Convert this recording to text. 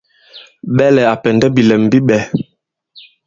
Ɓɛlɛ̀ à pɛ̀ndɛ bìlɛm bi ɓɛ̄.